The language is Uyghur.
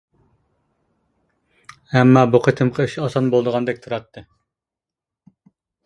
ئەمما بۇ قېتىمقى ئىش ئاسان بولىدىغاندەك تۇراتتى.